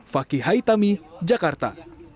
fakih haitami jakarta